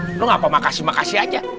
eh lu ngapa makasih makasih aja